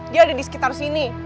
dia ada disekitar sini